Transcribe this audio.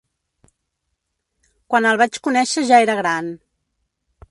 Quan el vaig conèixer ja era gran.